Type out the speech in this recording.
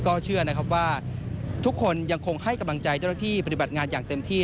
ก็เชื่อนะครับว่าทุกคนยังคงให้กำลังใจเจ้าหน้าที่ปฏิบัติงานอย่างเต็มที่